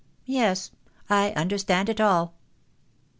Yes; I understand it all."